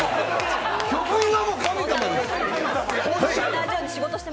局員は神様です。